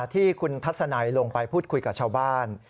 ที่คุณทัศนัยลงไปพูดคุยกับชาวบ้าน